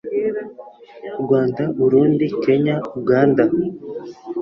RWANDA BURUNDI KENYA UGANDA